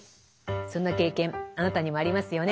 そんな経験あなたにもありますよね。